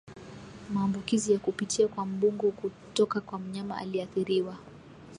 maambukizi ya kupitia kwa mbungo kutoka kwa mnyama aliyeathiriwa